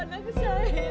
nggak mau dengar